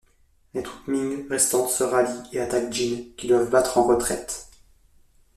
Les troupes Ming restantes se rallient et attaquent Jin, qui doivent battre en retraite.